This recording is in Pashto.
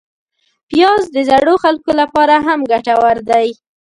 پیاز د زړو خلکو لپاره هم ګټور دی